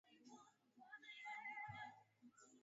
Mumekaa wapi?